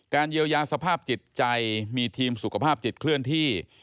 เยียวยาสภาพจิตใจมีทีมสุขภาพจิตเคลื่อนที่